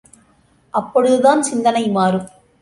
அப்பொழுதுதான் சிந்தனை மாறும்.